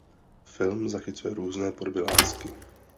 Film zachycuje různé podoby lásky.